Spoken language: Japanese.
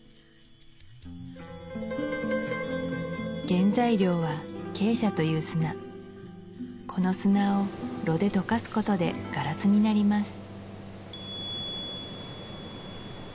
原材料は硅砂という砂この砂を炉で溶かすことでガラスになります